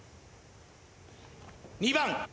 ２番！